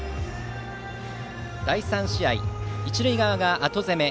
第３試合、一塁側が後攻め。